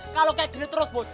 kalo kayak gini terus boy